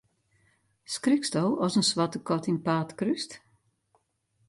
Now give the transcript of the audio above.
Skriksto as in swarte kat dyn paad krúst?